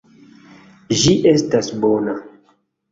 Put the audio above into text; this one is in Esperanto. Ĝi estas bona.